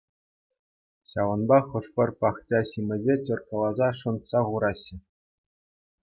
Ҫавӑнпа хӑш-пӗр пахча-ҫимӗҫе теркӑласа шӑнтса хурҫҫӗ.